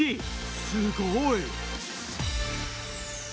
すごい。